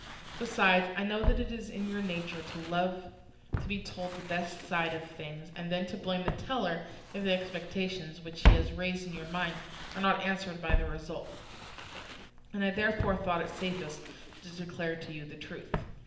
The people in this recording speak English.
Besides I know that it is your nature to love to be told the best side of things, and then to blame the teller if the expectations which he has raised in your minds are not answered by the result; and I therefore thought it safest to declare to you the truth.